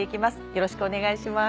よろしくお願いします。